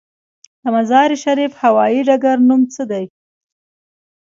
د مزار شریف هوايي ډګر نوم څه دی؟